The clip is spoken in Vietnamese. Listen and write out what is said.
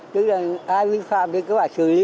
tức là ai vi phạm thì cứ phải xử lý